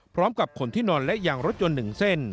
พร้อมกับคนที่นอนและยางรถยนต์หนึ่งเส้น